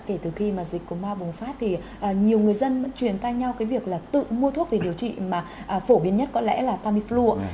kể từ khi mà dịch của ma bùng phát thì nhiều người dân chuyển tay nhau cái việc là tự mua thuốc về điều trị mà phổ biến nhất có lẽ là tamiflu ạ